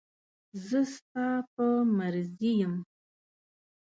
زه ستا په مرضي ځم.